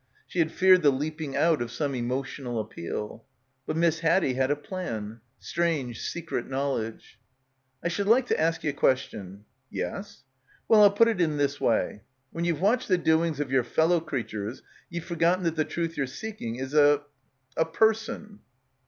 She had feared the leaping out of some emotional appeal. But Miss Haddie had a plan. Strange secret knowledge. "I should like to ask ye a question." "Yes?" "Well, Til put it in this way. While ye've watched the doings of yer fellow creatures ye've forgotten that the truth ye' re seeking is a — a Per son."